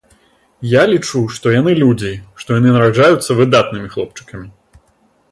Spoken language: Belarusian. Я лічу, што яны людзі, што яны нараджаюцца выдатнымі хлопчыкамі.